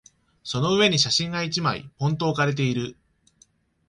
その上に写真が一枚、ぽんと置かれている。